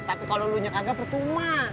tapi kalau lu nyokang gak percuma